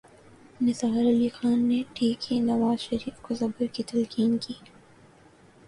نثار علی خان نے ٹھیک ہی نواز شریف کو صبر کی تلقین کی۔